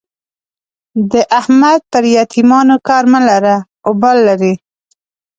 د احمد پر يتيمانو کار مه لره؛ اوبال لري.